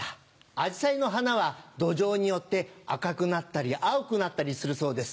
アジサイの花は土壌によって赤くなったり青くなったりするそうです。